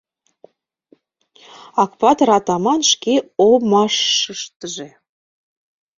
Акпатыр-атаман шке омашыштыже.